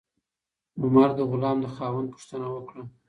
عمر د غلام د خاوند پوښتنه وکړه.